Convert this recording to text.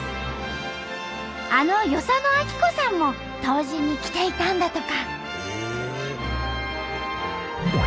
あの与謝野晶子さんも湯治に来ていたんだとか。